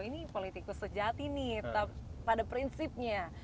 ini politikus sejati nih pada prinsipnya